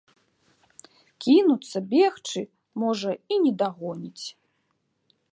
Кінуцца бегчы, можа, і не дагоніць.